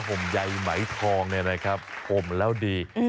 ห่มใยไหมทองห่มแล้วดี